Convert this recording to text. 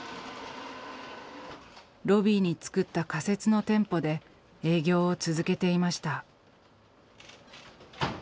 ロビーに作った仮設の店舗で営業を続けていました。